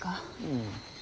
うん。